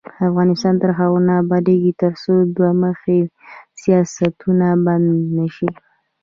افغانستان تر هغو نه ابادیږي، ترڅو دوه مخي سیاستونه بند نشي.